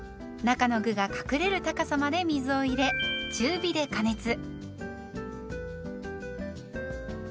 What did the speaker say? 中の具が隠れる高さまで水を入れ中火で加熱。